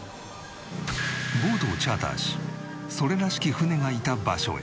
ボートをチャーターしそれらしき船がいた場所へ。